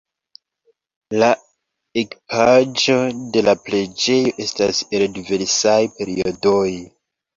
La ekipaĵo de la preĝejo estas el diversaj periodoj.